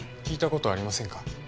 聞いたことありませんか？